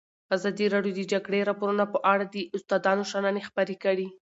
ازادي راډیو د د جګړې راپورونه په اړه د استادانو شننې خپرې کړي.